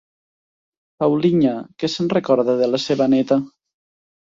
Paulinha, que se'n recorda de la seva neta?